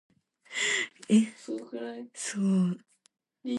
By that time he had attained the rank of Lieutenant.